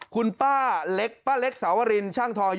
คุณป้าเล็กป้าเล็กสาวรินช่างทองอายุ